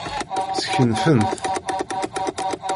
Skenfen-t.